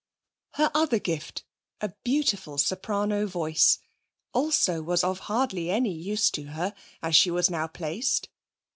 Her other gift a beautiful soprano voice also was of hardly any use to her, as she was now placed.